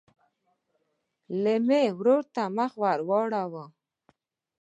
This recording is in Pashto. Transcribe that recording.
لېلما ورور ته مخ واړوه.